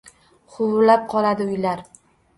Huvillab qoladi uylari